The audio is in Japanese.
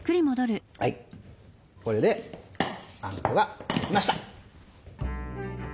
はいこれであんこができました。